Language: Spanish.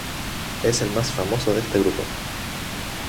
Es el más famoso de este grupo.